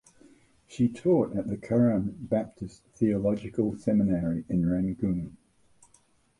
She taught at the Karen Baptist Theological Seminary in Rangoon.